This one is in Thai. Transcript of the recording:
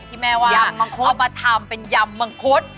ที่แม่ว่าเอามาทำเป็นยำมังคุด